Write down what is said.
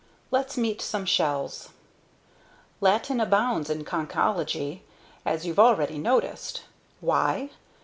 LET'S MEET SOME SHELLS Latin abounds in conchology, as you've already noticed. Why?